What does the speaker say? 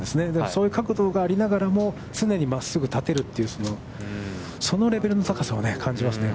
そういう角度がありながらも常に真っすぐ立てるという、そのレベルの高さを感じますね。